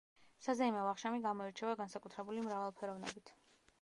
საზეიმო ვახშამი გამოირჩევა განსაკუთრებული მრავალფეროვნებით.